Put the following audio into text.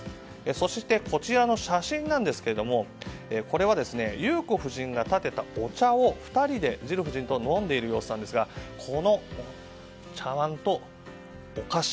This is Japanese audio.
そして、こちらの写真ですがこれは裕子夫人がたてたお茶を２人でジル夫人と飲んでいる様子なんですがこの茶碗とお菓子。